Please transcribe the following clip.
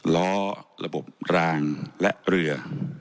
ล้อระบบรางและเรือ